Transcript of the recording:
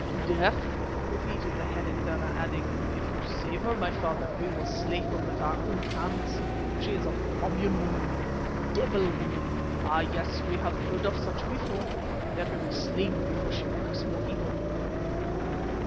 "Death," repeated the head induna, adding, "If you save her, my father, we will slay her with our own hands. She is a Babyan woman, a devil woman; ah, yes, we have heard of such before; let her be slain before she works more evil."